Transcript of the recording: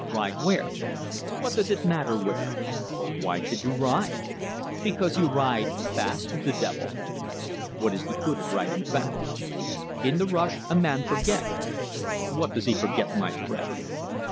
"Ride where?" "What does it matter where?" "Why should you ride?" "Because you ride fast with the devil." "What is the good of riding fast?" "In the rush a man forget." "What does he forget, my friend?"